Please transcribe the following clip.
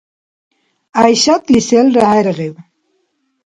ГӀяйшатли селра хӀергъиб.